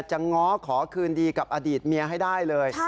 ง้อขอคืนดีกับอดีตเมียให้ได้เลย